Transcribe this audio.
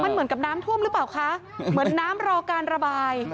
มันเหมือนกับน้ำท่วมหรือเปล่าคะเหมือนน้ำรอการระบาย